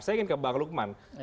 saya ingin ke bang lukman